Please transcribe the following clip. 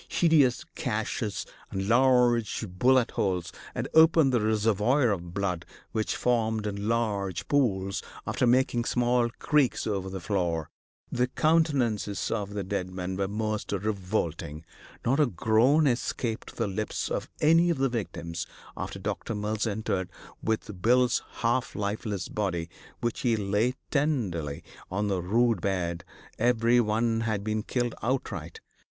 Hideous gashes and large bullet holes had opened the reservoir of blood which formed in large pools, after making small creeks over the floor. The countenances of the dead men were most revolting. Not a groan escaped the lips of any of the victims after Doc. Mills entered with Bill's half lifeless body, which he lay tenderly on the rude bed; every one had been killed outright.